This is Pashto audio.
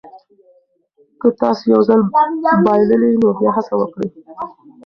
که تاسي یو ځل بایللي نو بیا هڅه وکړئ.